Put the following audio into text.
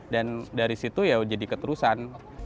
dan dari situ ya jadi keterusan